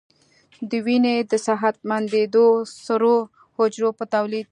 د وینې د صحتمندو سرو حجرو په تولید